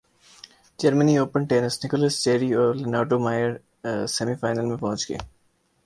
German Open tennis Nicolas Jarry اور Leonardo Mayer semi final میں پہنچ گئے